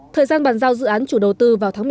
thời gian bàn giao dự án chủ đầu tư vào tháng một mươi